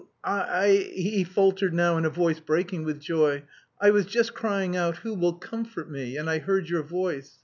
I..." he faltered now in a voice breaking with joy. "I was just crying out 'who will comfort me?' and I heard your voice.